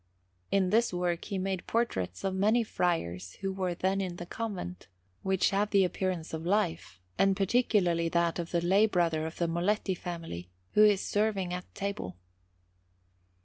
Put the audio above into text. In this work he made portraits of many friars who were then in the convent, which have the appearance of life, and particularly that of the lay brother of the Molletti family, who is serving at table.